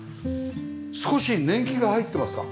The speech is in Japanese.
少し年季が入ってますか？